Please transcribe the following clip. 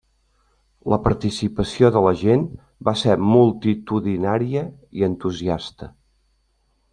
La participació de la gent va ser multitudinària i entusiasta.